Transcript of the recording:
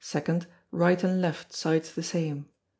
2nd, Right and left, sides the same.